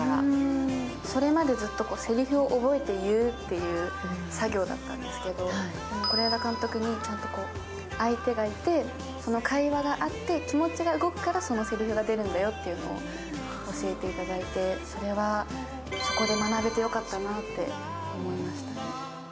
それまでずっとせりふを覚えて言うという作業だったんですけど、是枝監督に、ちゃんと相手がいて、その会話があって、気持ちが動くからそのせりふが出るんだよというのを教えていただいて、そこで学べてよかったなと思いました。